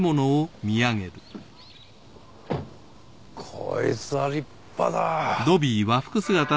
こいつは立派だ！